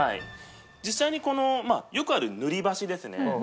実際にこのよくある塗り箸ですね。